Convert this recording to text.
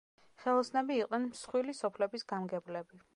ხელოსნები იყვნენ მსხვილი სოფლების გამგებლები.